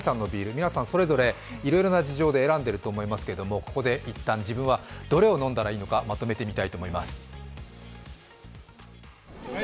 皆さんそれぞれいろいろな事情で選んでいると思いますけどここでいったん自分はどれを飲んだらいいのかまとめてみたいと思います。